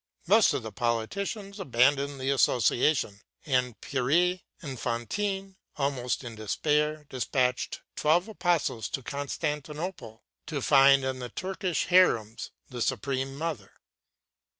Most of the politicians abandoned the association; and Père Enfantin, almost in despair, dispatched twelve apostles to Constantinople to find in the Turkish harems the Supreme Mother.